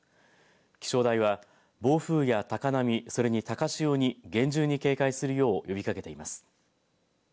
気象台は暴風や高波それに高潮に厳重に警戒するよう呼びかけています。